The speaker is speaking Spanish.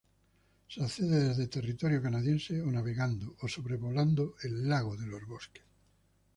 Se accede desde territorio canadiense o navegando o sobrevolando el lago de los Bosques.